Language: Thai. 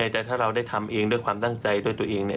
แต่ถ้าเราได้ทำเองด้วยความตั้งใจด้วยตัวเองเนี่ย